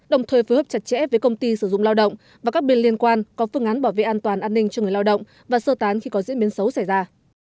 đồng thời phối hợp chặt chẽ với công ty sử dụng lao động và các bên liên quan có phương án bảo vệ an toàn an ninh cho người lao động và sơ tán khi có diễn biến xấu xảy ra